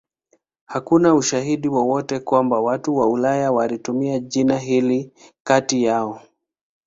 Hakuna ushahidi wowote kwamba watu wa Ulaya walitumia jina hili kati yao.